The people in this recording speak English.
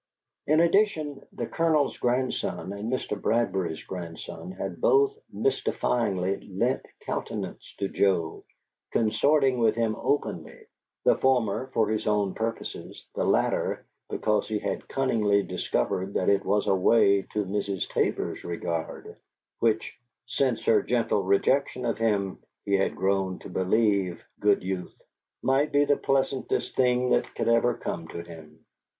In addition, the Colonel's grandson and Mr. Bradbury's grandson had both mystifyingly lent countenance to Joe, consorting with him openly; the former for his own purposes the latter because he had cunningly discovered that it was a way to Miss Tabor's regard, which, since her gentle rejection of him, he had grown to believe (good youth!) might be the pleasantest thing that could ever come to him.